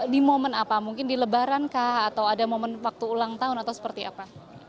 di momen apa mungkin di lebaran kah atau ada momen waktu ulang tahun atau seperti apa